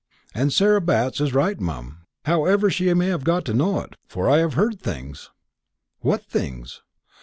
And Sarah Batts is right, mum, however she may have got to know it; for I have heard things." "What things?"